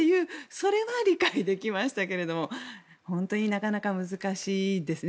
それは理解できましたけども本当になかなか難しいですね。